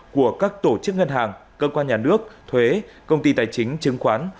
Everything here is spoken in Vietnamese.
của các tổ chức ngân hàng cơ quan nhà nước thuế công ty tài chính chứng khoán